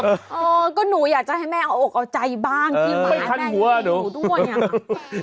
เออก็หนูอยากจะให้แม่เอาออกเอาใจบ้างที่หมาแม่งี้อยู่ด้วย